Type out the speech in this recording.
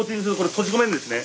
閉じ込めるんですね。